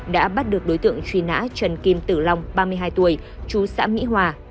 đã bắt được đối tượng truy nã trần kim tử long ba mươi hai tuổi chú xã mỹ hòa